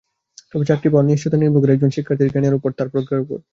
তবে চাকরি পাওয়ার নিশ্চয়তা নির্ভর করে একজন শিক্ষার্থীর জ্ঞানের ওপর, তার প্রজ্ঞার ওপর।